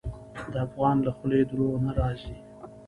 د افغان له خولې دروغ نه راځي.